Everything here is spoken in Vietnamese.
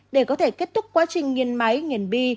để có thể kết thúc quá trình nghiên máy nghiền bi